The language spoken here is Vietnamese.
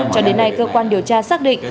cho đến nay cơ quan điều tra xác định